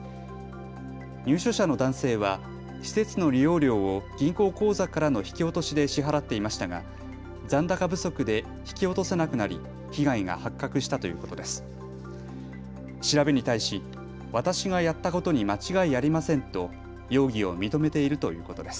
入所者の男性は施設の利用料を銀行口座からの引き落としで支払っていましたが残高不足で引き落とせなくなり被害が発覚したということです。